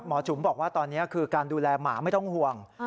จุ๋มบอกว่าตอนนี้คือการดูแลหมาไม่ต้องห่วง